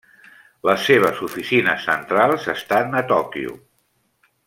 Les seves oficines centrals estan a Tòquio.